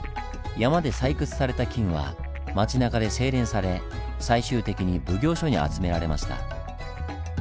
山で採掘された金は町なかで製錬され最終的に奉行所に集められました。